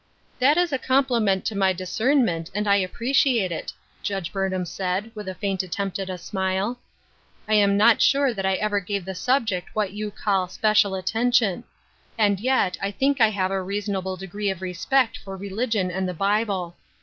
"That is a compliment to my discernment, and I appreciate it," Judge Burnham said, with a faint attempt at a smile. *' I am not sure that I ever gave the subject what 30U call ' special atten tion.' And yet I think I have a reasonable de gree of respect for religion and the Bible.